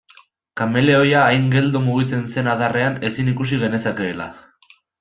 Kameleoia hain geldo mugitzen zen adarrean ezin ikus genezakeela.